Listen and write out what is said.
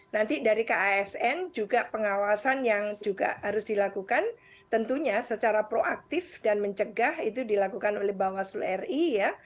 nanti dari kasn juga pengawasan yang juga harus dilakukan tentunya secara proaktif dan mencegah itu dilakukan oleh bawaslu ri ya